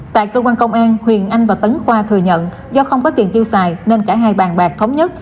tại cơ quan công an huyền anh và tấn khoa thừa nhận do không có tiền tiêu xài nên cả hai bàn bạc thống nhất